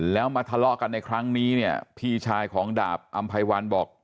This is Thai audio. แล้วมาทะเลาะกันในครั้งนี้เนี่ยพี่ชายของดาบอำไพวันบอก